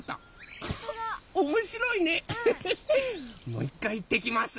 もういっかいいってきます！